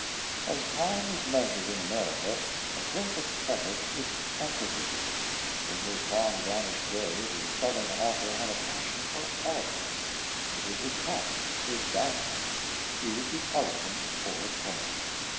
As time is measured in America, McClintock's epoch is antiquity. In his long vanished day the Southern author had a passion for "eloquence"; it was his pet, his darling. He would be eloquent, or perish.